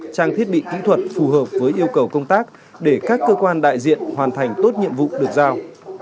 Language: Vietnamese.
trang thiết bị kỹ thuật phù hợp với yêu cầu công tác để các cơ quan đại diện hoàn thành tốt nhiệm vụ được giao